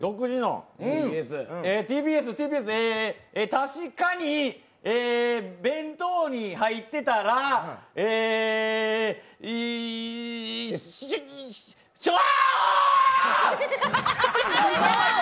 確かに、弁当に入ってたらえシュワ！